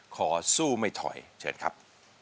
ขอสู้ไม่ถอยเชิญครับ